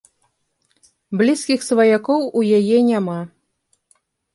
Блізкіх сваякоў у яе няма.